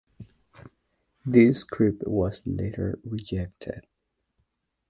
This script was later rejected.